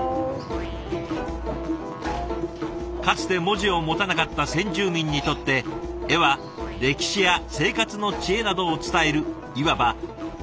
かつて文字を持たなかった先住民にとって絵は歴史や生活の知恵などを伝えるいわば伝達手段でした。